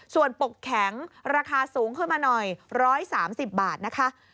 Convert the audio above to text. ส่วนปกแข็งราคาสูงขึ้นมาหน่อย๑๓๐บาทนะคะ